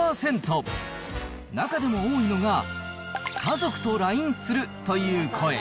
中でも多いのが家族とＬＩＮＥするという声。